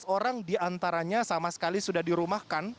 lima belas orang diantaranya sama sekali sudah dirumahkan